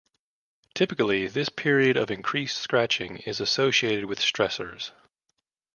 Typically this period of increased scratching is associated with stressors.